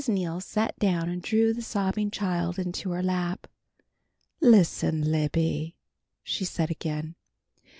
Neal sat down and drew the sobbing child into her lap. "Listen, Libby!" she said again.